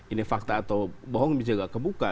ini fakta atau bohong dijaga kebuka